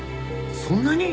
そんなに？